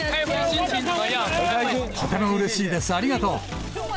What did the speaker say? とてもうれしいです、ありがとう。